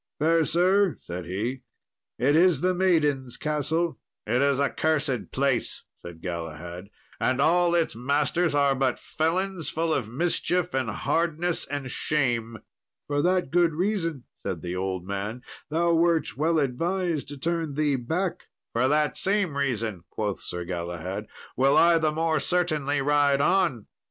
"Fair sir," said he, "it is the Maiden's Castle." "It is a cursed place," said Galahad, "and all its masters are but felons, full of mischief and hardness and shame." "For that good reason," said the old man, "thou wert well advised to turn thee back." "For that same reason," quoth Sir Galahad, "will I the more certainly ride on."